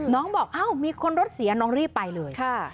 น้องบอกมีคนรถเสียน้องรีบไปเลย